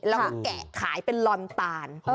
แล้วก็แกะขายเป็นลอนตาล